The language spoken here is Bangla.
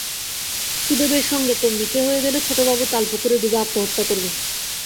সুদেবের সঙ্গে তোর নিকে হয়ে গেলে ছোটবাবু তালপুকুরে ডুবে আত্মহত্যা করবে।